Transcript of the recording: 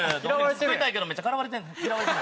冷たいけどめっちゃ嫌われてるねんこいつ。